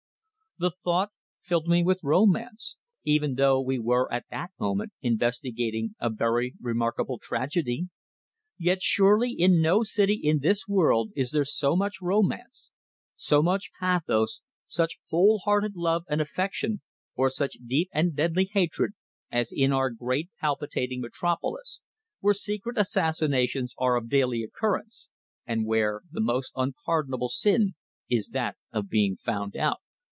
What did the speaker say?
The thought filled me with romance, even though we were at that moment investigating a very remarkable tragedy. Yet surely in no city in this world is there so much romance, so much pathos, such whole hearted love and affection, or such deep and deadly hatred as in our great palpitating metropolis, where secret assassinations are of daily occurrence, and where the most unpardonable sin is that of being found out.